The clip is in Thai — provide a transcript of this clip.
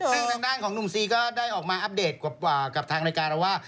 ซึ่งทางด้านของหนุ่มซีก็ได้ออกมาอัปเดตกว่ากับทางรายการเราว่า